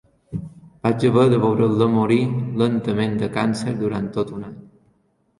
Vaig haver de veure-la morir lentament de càncer durant tot un any.